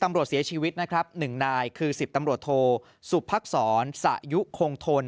เสียชีวิตนะครับ๑นายคือ๑๐ตำรวจโทสุพักษรสะยุคงทน